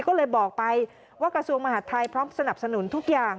ก็เลยบอกไปว่ากระทรวงมหาดไทยพร้อมสนับสนุนทุกอย่าง